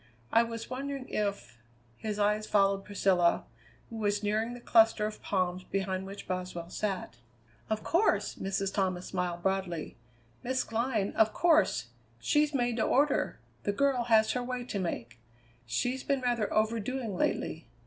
I was wondering if " His eyes followed Priscilla, who was nearing the cluster of palms behind which Boswell sat. "Of course!" Mrs. Thomas smiled broadly; "Miss Glynn, of course! She's made to order. The girl has her way to make. She's been rather overdoing lately.